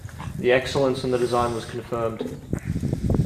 The excellence in the design was confirmed.